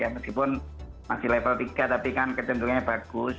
meskipun masih level tiga tapi kan kecenderungannya bagus